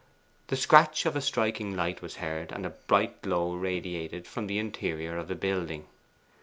The scratch of a striking light was heard, and a bright glow radiated from the interior of the building.